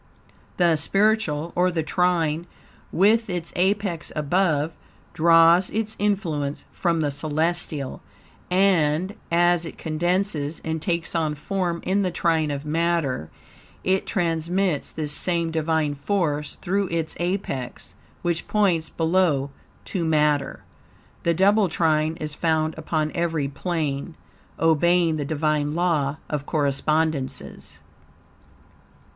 The spiritual, or the trine with its apex above, draws its influence from the celestial, and as it condenses and takes on form in the trine of matter, it transmits this same Divine force through its apex, which points below, to matter. The double trine is found upon every plane, obeying the Divine Law of Correspondences.